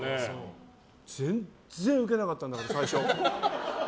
全然ウケなかったんだから、最初。